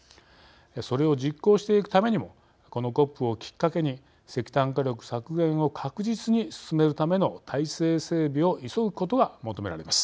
それを実行していくためにもこのＣＯＰをきっかけに石炭火力削減を確実に進めるための体制整備を急ぐことが求められます。